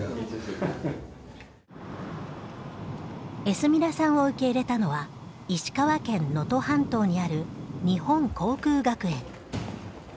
エスミラさんを受け入れたのは石川県能登半島にある日本航空学園。